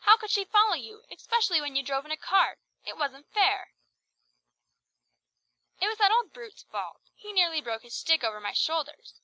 How could she follow you, especially when you drove in a cart? It wasn't fair." "It was that old brute's fault. He nearly broke his stick over my shoulders.